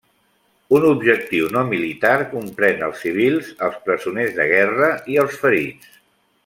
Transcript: Un objectiu no militar comprèn els civils, els presoners de guerra i els ferits.